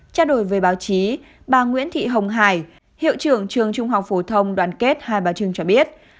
trao đổi về báo chí bà nguyễn thị hồng hải hiệu trưởng trường trung học phổ thông đoàn kết hai bà trưng cho biết